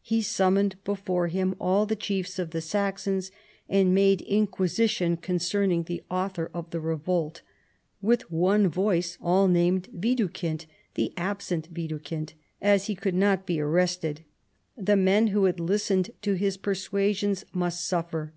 He summoned before him all the chiefs of the Saxons, and made inquisition concerning the author of the revolt. With one voice all named Widukind, the absent Widukind. As he could not be arrested, the men Avho had listened to his persuasions must suffer.